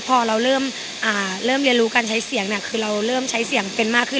พอเราเริ่มเรียนรู้การใช้เสียงเนี่ยคือเราเริ่มใช้เสียงเป็นมากขึ้น